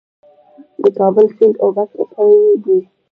د کابل سیند اوبه ککړې دي؟